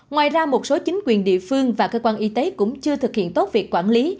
ngoài ra một số chính quyền địa phương và cơ quan y tế cũng chưa thực hiện tốt việc quản lý